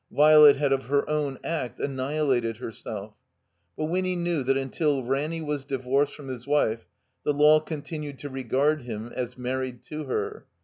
Violet had of her own act annihilated herself. But Winny knew that tmtil Ranny was divorced from his wife the law continued to regard him as married to her.